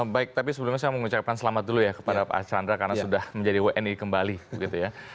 baik tapi sebelumnya saya mengucapkan selamat dulu ya kepada pak archandra karena sudah menjadi wni kembali gitu ya